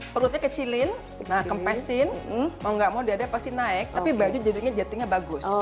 perutnya kecilin kempesin mau gak mau dadanya pasti naik tapi baju jadinya jatinya bagus